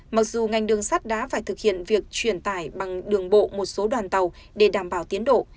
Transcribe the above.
mặc dù ngành đường sắt đã phải thực hiện việc truyền tải bằng đường bộ một số đoàn tàu để đảm bảo tiến độ